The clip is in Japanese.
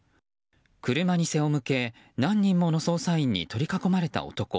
車に背を向け何人もの捜査員に取り囲まれた男。